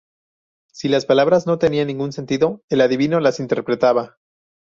Si las palabras no tenían ningún sentido, el adivino las interpretaba.